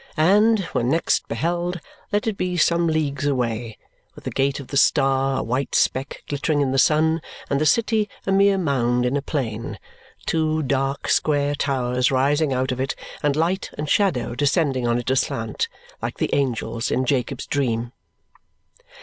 And, when next beheld, let it be some leagues away, with the Gate of the Star a white speck glittering in the sun, and the city a mere mound in a plain two dark square towers rising out of it, and light and shadow descending on it aslant, like the angels in Jacob's dream!